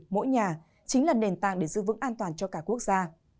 mỗi nhà chính là nền tảng để giữ vững an toàn cho cả quốc gia